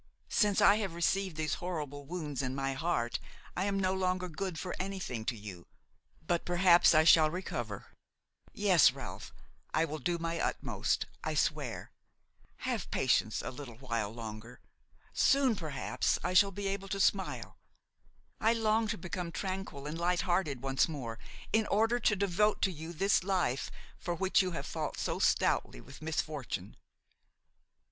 Since I have received these horrible wounds in my heart I am no longer good for anything to you; but perhaps I shall recover. Yes, Ralph, I will do my utmost, I swear. Have patience a little longer; soon, perhaps, I shall be able to smile. I long to become tranquil and light hearted once more in order to devote to you this life for which you have fought so stoutly with misfortune."